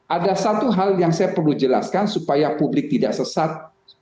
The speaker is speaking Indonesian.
ada satu hal yang saya perlu jelaskan supaya publik tidak sesat